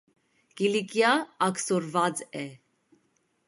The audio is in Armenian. Կիլիկիա աքսորուած է։